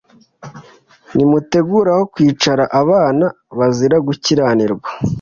Nimutegure aho kwicira abana bazira gukiranirwa